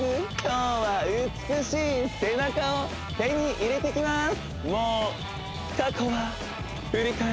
今日は美しい背中を手に入れていきます